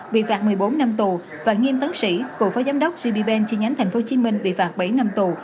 bị phạt một mươi bốn năm tù và nghiêm tấn sĩ cựu phó giám đốc gb ban chi nhánh tp hcm bị phạt bảy năm tù